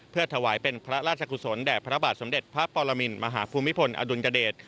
เพื่อถวายเป็นพระราชกุศลแด่พระบาทสมเด็จพระปรมินมหาภูมิพลอดุลยเดช